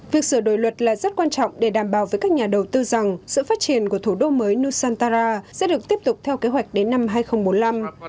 việc sửa đổi luật là rất quan trọng để đảm bảo với các nhà đầu tư rằng sự phát triển của thủ đô mới nusantara sẽ được tiếp tục theo kế hoạch đến năm hai nghìn bốn mươi năm